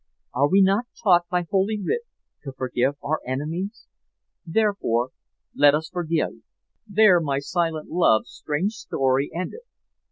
Are we not taught by Holy Writ to forgive our enemies? Therefore, let us forgive." There my silent love's strange story ended.